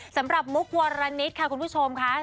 สำหรับมุกวารณิชย์ค่ะคุณผู้ชมค่ะ